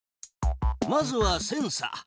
まずはセンサ。